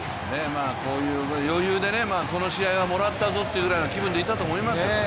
こういう余裕で、この試合はもらったぞというぐらいの気分でいたと思いますよ。